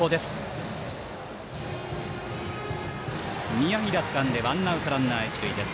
宮平つかんでワンアウト、ランナー、一塁です。